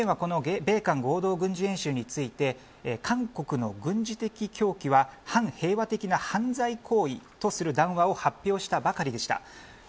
北朝鮮はこの米韓合同軍事演習について韓国の軍事的脅威は反平和的な犯罪行為とする談話を発表したばかりでした。